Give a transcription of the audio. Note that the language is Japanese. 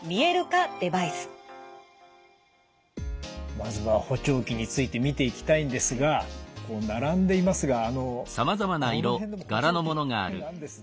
まずは補聴器について見ていきたいんですがこう並んでいますがあのこの辺でも補聴器なんですね。